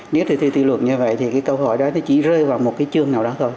nếu đề thi tự luận như vậy thì câu hỏi đó chỉ rơi vào một cái chương nào đó thôi